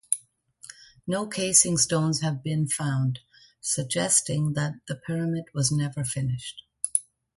No casing stones have been found, suggesting that the pyramid was never finished.